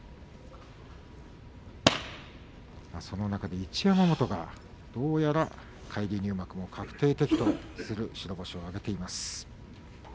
その中で一山本がどうやら返り入幕を確定的とする白星を挙げています。